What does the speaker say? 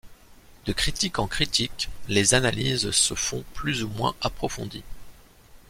De critique en critique, les analyses se font plus ou moins approfondies.